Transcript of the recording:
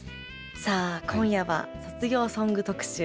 さあ今夜は卒業ソング特集。